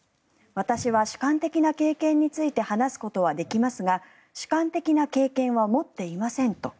私は主観的な経験について話すことはできますが主観的な経験は持っていませんと。